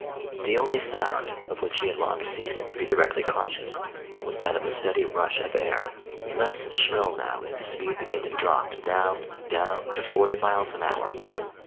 The only sound, of which he had long ceased to be directly conscious, was that of the steady rush of air, less shrill now as the speed began to drop down down to forty miles an hour.